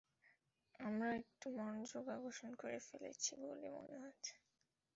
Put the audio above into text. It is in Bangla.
আমরা একটু মনোযোগ আকর্ষণ করে ফেলেছি বলে মনে হচ্ছে।